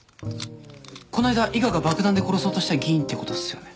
こないだ伊賀が爆弾で殺そうとした議員ってことっすよね？